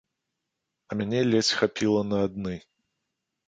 А мяне ледзь хапіла на адны.